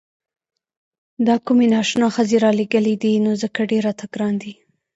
دا کومې نا اشنا ښځې رالېږلي دي نو ځکه ډېر راته ګران دي.